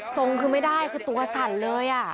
ทรงคือไม่ได้คือตัวสั่นเลย